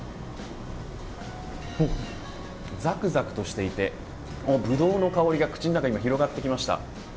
ざくざくとしていてブドウの香りが口の中に広がってきました。